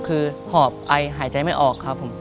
คือหอบไอหายใจไม่ออกครับผม